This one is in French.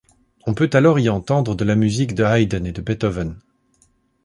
On peut alors y entendre de la musique de Haydn et de Beethoven.